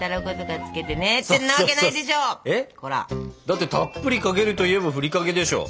だってたっぷりかけるといえばふりかけでしょ。